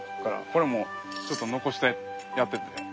これもちょっと残してやってて。